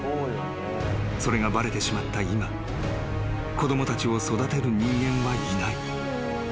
［それがバレてしまった今子供たちを育てる人間はいない］